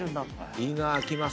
「い」が開きます。